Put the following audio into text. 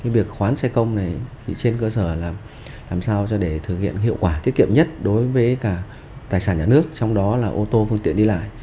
việc khoán xe công này trên cơ sở là làm sao để thực hiện hiệu quả tiết kiệm nhất đối với cả tài sản nhà nước trong đó là ô tô phương tiện đi lại